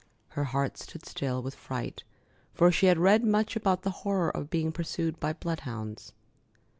Her heart stood still with fright, for she had read much about the horror of being pursued by bloodhounds.